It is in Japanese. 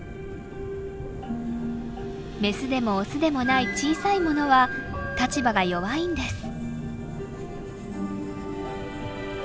メスでもオスでもない小さいものは立場が弱いんです。